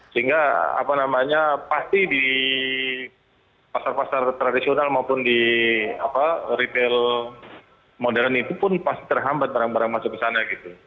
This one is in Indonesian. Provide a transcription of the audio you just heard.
sehingga pasti di pasar pasar tradisional maupun di retail modern itu pun pasti terhambat barang barang masuk ke sana gitu